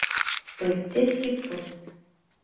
Полицейский пост...